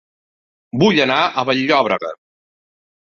Vull anar a Vall-llobrega